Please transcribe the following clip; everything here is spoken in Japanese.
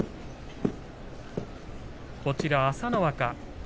こちらは朝乃若。